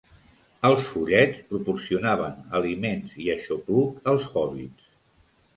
Els follets proporcionaven aliments i aixopluc als hòbbits.